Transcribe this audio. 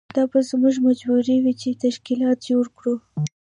دا به زموږ مجبوري وي چې تشکیلات جوړ کړو.